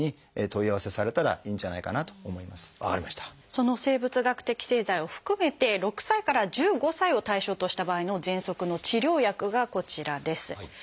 その生物学的製剤を含めて６歳から１５歳を対象とした場合のぜんそくの治療薬がこちらです。